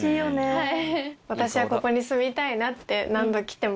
はい。